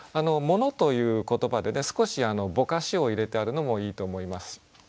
「もの」という言葉でね少しぼかしを入れてあるのもいいと思います。